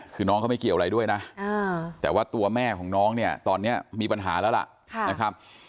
คือน้องก็ไม่เกี่ยวอะไรด้วยนะแต่ว่าตัวแม่ของน้องตอนนี้มีปัญหาแล้วล่ะ